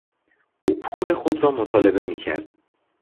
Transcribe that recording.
او پول خود را مطالبه میکرد.